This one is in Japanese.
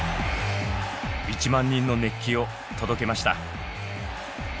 １万人の熱気を届けました。